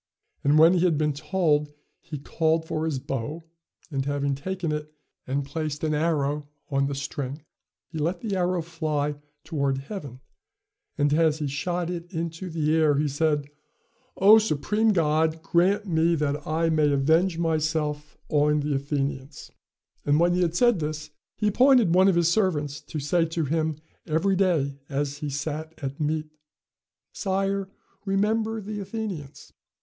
And when he had been told, he called for his bow; and, having taken it, and placed an arrow on the string, he let the arrow fly toward heaven; and as he shot it into the air, he said, 'Oh! supreme God, grant me that I may avenge myself on the Athenians,' And when he had said this, he appointed one of his servants to say to him every day as he sat at meat, 'Sire, remember the Athenians.'"